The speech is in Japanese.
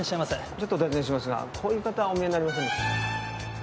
ちょっとお尋ねしますがこういう方お見えになりませんでしたか？